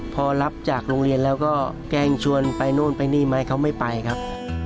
พอรับจากโรงเรียนแล้วก็แกล้งชวนไปนู่นไปนี่ไหมเขาไม่ไปครับ